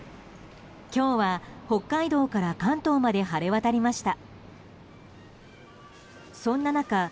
今日は北海道から関東まで晴れ渡りました。